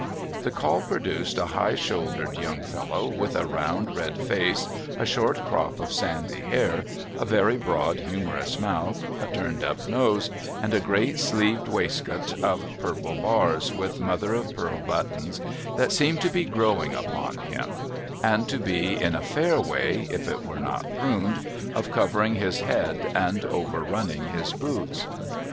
' The call produced a high shouldered young fellow, with a round red face, a short crop of sandy hair, a very broad humorous mouth, a turned up nose, and a great sleeved waistcoat of purple bars, with mother of pearl buttons, that seemed to be growing upon him, and to be in a fair way — if it were not pruned— of covering his head and overrunning his boots.